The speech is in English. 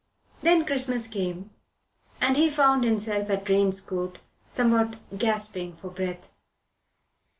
Then Christmas came and he found himself at Drane's Court, somewhat gasping for breath.